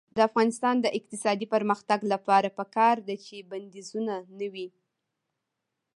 د افغانستان د اقتصادي پرمختګ لپاره پکار ده چې بندیزونه نه وي.